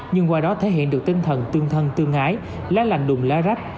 nhưng qua đó thể hiện được tinh thần tương thân tương ái lá lành đùm lá rách